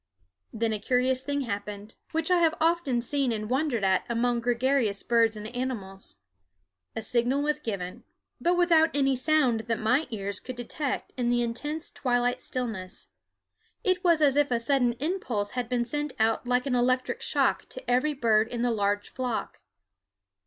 Then a curious thing happened, which I have often seen and wondered at among gregarious birds and animals. A signal was given, but without any sound that my ears could detect in the intense twilight stillness. It was as if a sudden impulse had been sent out like an electric shock to every bird in the large flock.